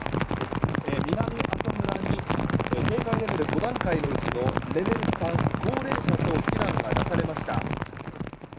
南阿蘇村に警戒レベル５段階のうちのレベル３、高齢者等の避難が出されました。